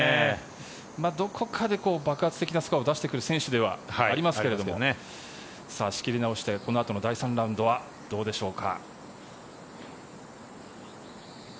どこかで爆発的なスコアを出してくる選手ではありますけれども仕切り直してこのあとの第３ラウンドはどうでしょうか。